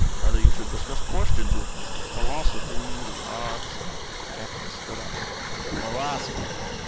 Rather you should discuss questions with me, philosophy, the arts " The Captain stood up. "Philosophy.